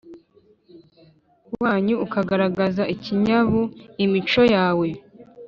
wanyu ukagaragaza ikinyabuImico yawe